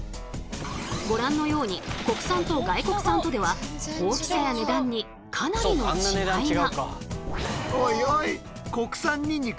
ご覧のように国産と外国産とでは大きさや値段にかなりの違いが。